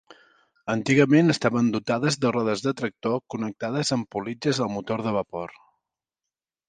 Antigament estaven dotades de rodes de tractor connectades amb politges al motor de vapor.